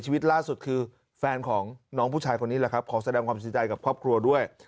ชีวิตล่าสุดคือแฟนของน้องผู้ชายคนนี้แหละครับขอแสดงความเสียใจกับครอบครัวด้วย